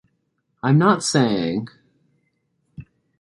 I’m not saying...